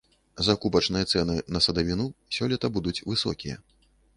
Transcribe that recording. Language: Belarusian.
Закупачныя цэны на садавіну сёлета будуць высокія.